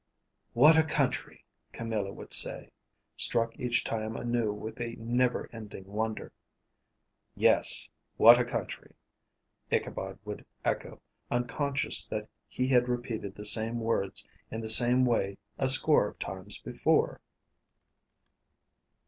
"What a country!" Camilla would say, struck each time anew with a never ending wonder. "Yes, what a country," Ichabod would echo, unconscious that he had repeated the same words in the same way a score of times before.